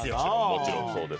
もちろんそうです。